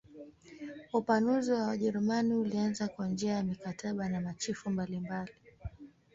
Upanuzi wa Wajerumani ulianza kwa njia ya mikataba na machifu mbalimbali.